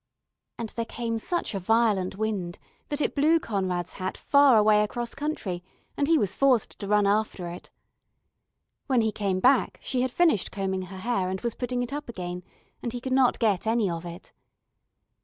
And there came such a violent wind that it blew Conrad's hat far away across country, and he was forced to run after it. When he came back she had finished combing her hair and was putting it up again, and he could not get any of it.